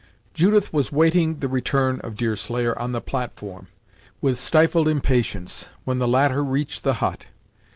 Judith was waiting the return of Deerslayer on the platform, with stifled impatience, when the latter reached the hut.